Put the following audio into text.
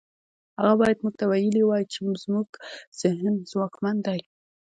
هغه بايد موږ ته ويلي وای چې زموږ ذهن ځواکمن دی.